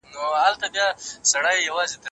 موټر د سړک په غاړه په ارامه ولاړ و.